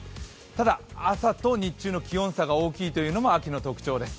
ただ、朝と日中と気温差が大きいというのも秋の特徴です。